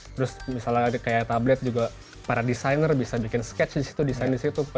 terus misalnya kayak tablet juga para desainer bisa bikin sketch di situ desain di situ